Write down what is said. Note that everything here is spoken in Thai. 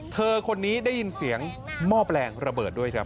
เธอคนนี้ได้ยินเสียงหม้อแปลงระเบิดด้วยครับ